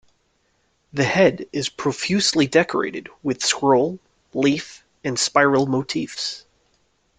The head is profusely decorated with scroll, leaf, and spiral motifs.